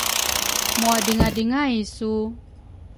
Mwadringadringay su?